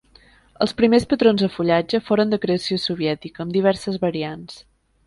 Els primers patrons de fullatge foren de creació soviètica, amb diverses variants.